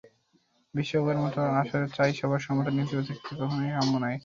বিশ্বকাপের মতো আসরে চাই সবার সমর্থন, নেতিবাচক কিছু কখনোই কাম্য নয়।